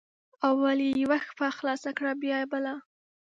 اول یې یوه پښه خلاصه کړه بیا بله